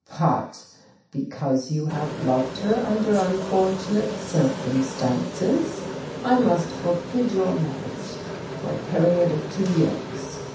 But because you have loved her under unfortunate circumstances I must forbid your marriage for a period of two years.